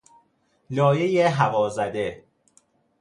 لایه هوازده